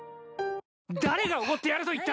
誰がおごってやると言った！